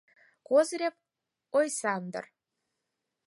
КОЗЫРЕВ ОЙСАНДЫР